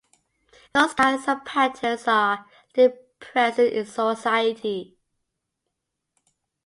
Those kinds of patterns are still present in society.